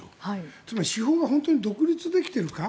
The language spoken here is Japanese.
つまり司法が本当に独立できているか。